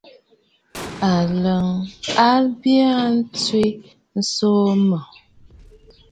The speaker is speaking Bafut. Aləə a bə aa tsiꞌì tsǒ mɔꞌɔ.